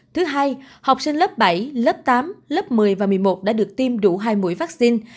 thứ hai học sinh lớp bảy lớp tám lớp một mươi và một mươi một đã được tiêm đủ hai mũi vaccine